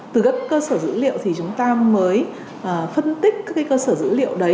từ các cơ sở dữ liệu thì chúng ta mới phân tích các cái cơ sở dữ liệu đấy